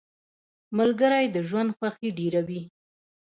ملګری د ژوند خوښي ډېروي.